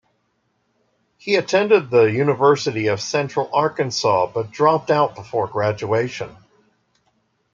He attended the University of Central Arkansas but dropped out before graduation.